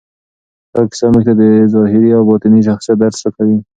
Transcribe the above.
دا کیسه موږ ته د ظاهري او باطني شخصیت درس راکوي.